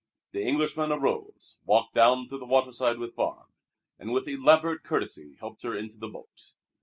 The Englishman arose, walked down to the waterside with Barbe, and with elaborate courtesy helped her into the boat.